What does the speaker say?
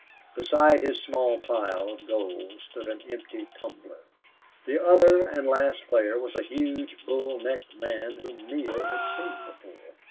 Beside his small pile of gold stood an empty tumbler. The other and last player was a huge, bull necked man whom Neale had seen before.